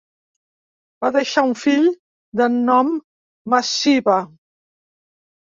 Va deixar un fill de nom Massiva.